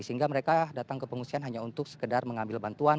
sehingga mereka datang ke pengungsian hanya untuk sekedar mengambil bantuan